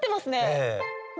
ええ。